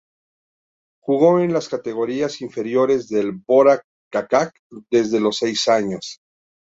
Jugó en las categorías inferiores del Borac Čačak desde los seis años.